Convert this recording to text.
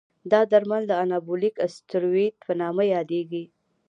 دا درمل د انابولیک استروئید په نامه یادېږي.